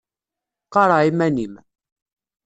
Qareɛ iman-im.